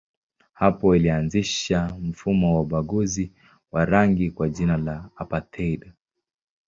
Hapo ilianzisha mfumo wa ubaguzi wa rangi kwa jina la apartheid.